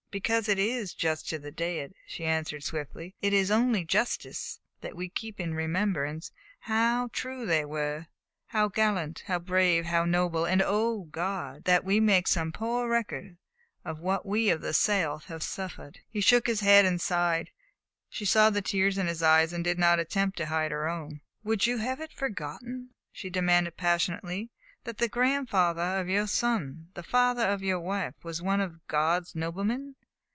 "Because it is just to the dead," she answered swiftly. "Because it is only justice that we keep in remembrance how true they were, how gallant, how brave, how noble, and O God! that we make some poor record of what we of the South have suffered!" He shook his head and sighed. She saw the tears in his eyes and did not attempt to hide her own. "Would you have it forgotten," she demanded passionately, "that the grandfather of your son the father of your wife was one of God's noblemen?